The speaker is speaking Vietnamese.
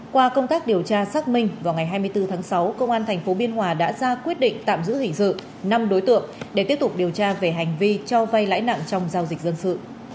qua công tác điều tra xác minh vào ngày hai mươi bốn tháng sáu công an tp biên hòa đã ra quyết định tạm giữ hình sự năm đối tượng để tiếp tục điều tra về hành vi cho vay lãi nặng trong giao dịch dân sự